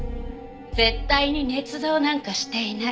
絶対に捏造なんかしていない。